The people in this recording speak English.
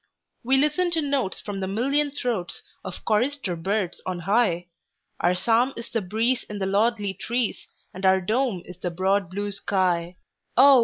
We listen to notes from the million throatsOf chorister birds on high, Our psalm is the breeze in the lordly trees, And our dome is the broad blue sky, Oh!